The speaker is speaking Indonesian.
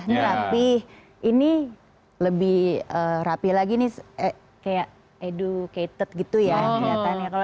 ini rapih ini lebih rapi lagi nih kayak educated gitu ya kelihatannya